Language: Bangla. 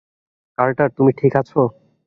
কার্টার, তুমি ঠিক আছো?